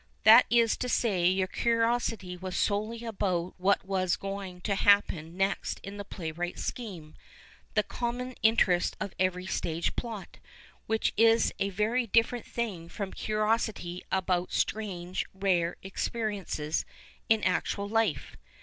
That is to say, your curiosity was solely about what was going to happen next in the playwright's scheme — the common interest of every stage plot — which is a very different thing from curiosity about strange, rare, experiences in actual life.